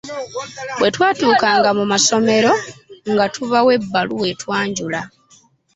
Bwe twatuukanga mu masomero nga tubawa ebbaluwa etwanjula.